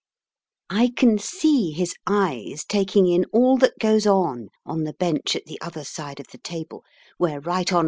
I can see his eyes taking in all that goes on on the bench at the other side of the table, where right hon.